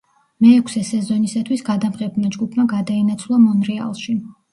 მეექვსე სეზონისათვის, გადამღებმა ჯგუფმა გადაინაცვლა მონრეალში.